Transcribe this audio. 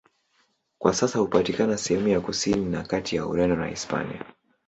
Kwa sasa hupatikana sehemu ya kusini na kati ya Ureno na Hispania.